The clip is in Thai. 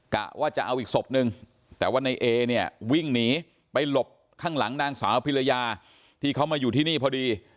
กะว่าจะเอาอีกศพนึงแต่ว่าในเอเนี่ยวิ่งหนีไปหลบข้างหลังนางสาวพิรยาที่เขามาอยู่ที่นี่พอดี